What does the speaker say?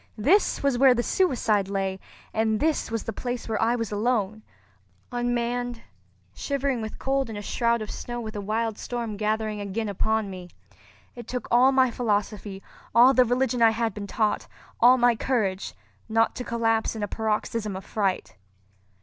This was where the suicide lay; and this was the place where I was alone—unmanned, shivering with cold in a shroud of snow with a wild storm gathering again upon me! It took all my philosophy, all the religion I had been taught, all my courage, not to collapse in a paroxysm of fright.